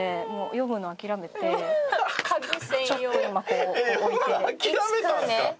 読むの諦めたんですか？